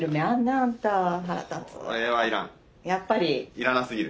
いらなすぎる。